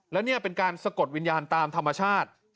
แล้วนี่เป็นการสะกดวิญญาณตามธรรมชาติ